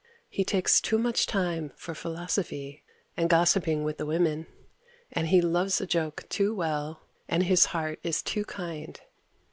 He takes too much time for philosophy and gossiping with the women, and he loves a joke too well, and his heart is too kind.